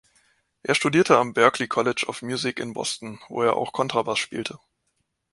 Er studierte am Berklee College of Music in Boston, wo er auch Kontrabass spielte.